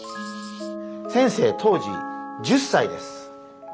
先生当時１０歳です。